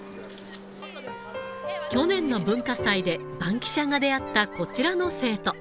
去年の文化祭で、バンキシャが出会ったこちらの生徒。